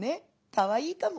かわいいかも。